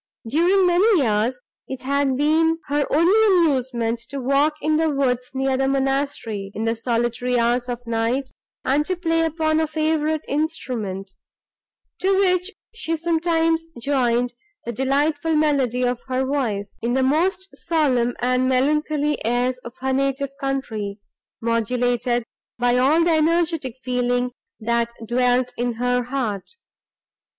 During many years, it had been her only amusement to walk in the woods near the monastery, in the solitary hours of night, and to play upon a favourite instrument, to which she sometimes joined the delightful melody of her voice, in the most solemn and melancholy airs of her native country, modulated by all the energetic feeling, that dwelt in her heart.